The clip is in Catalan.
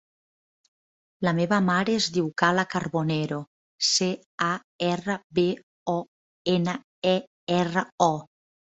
La meva mare es diu Kala Carbonero: ce, a, erra, be, o, ena, e, erra, o.